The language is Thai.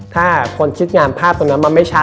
ถ้าคนชุดงามภาพตรงนั้นมันไม่ชัด